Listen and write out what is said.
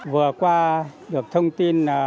vừa qua được thông tin